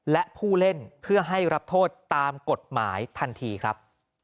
และผู้เล่นเพื่อให้รับโทษตามกฎหมายทันทีครับ